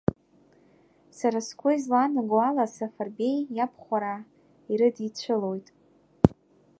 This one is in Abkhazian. Сара сгәы излаанаго ала, Сафарбеи иабхәараа ирыдицәылоит.